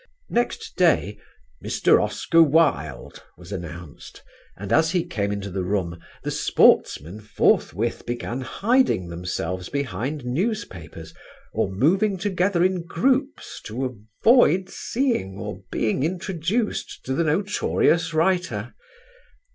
Next day "Mr. Oscar Wilde" was announced and as he came into the room the sportsmen forthwith began hiding themselves behind newspapers or moving together in groups in order to avoid seeing or being introduced to the notorious writer.